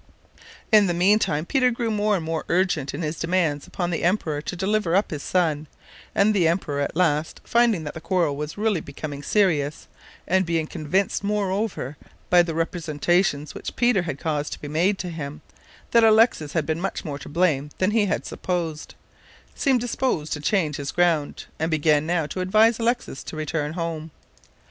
In the mean time Peter grew more and more urgent in his demands upon the emperor to deliver up his son, and the emperor at last, finding that the quarrel was really becoming serious, and being convinced, moreover, by the representations which Peter caused to be made to him, that Alexis had been much more to blame than he had supposed, seemed disposed to change his ground, and began now to advise Alexis to return home.